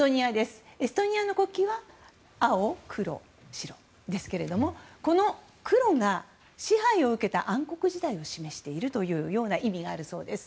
エストニアの国旗は青、黒、白ですけどもこの黒が支配を受けた暗黒時代を示しているという意味があるそうです。